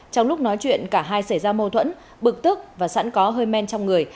trong lúc nói chuyện cả hai xảy ra mâu thuẫn bực tức và sẵn có hơi men trong người